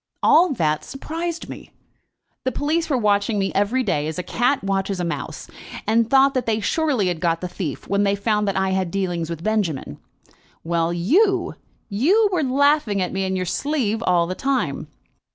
"All that surprised me. The police were watching me every day as a cat watches a mouse, and thought that they surely had got the thief when they found that I had dealings with Benjamin. Well; you you were laughing at me in your sleeve all the time."